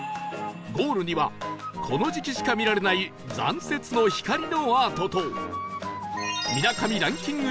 ゴールにはこの時期しか見られない残雪の光のアートとみなかみランキング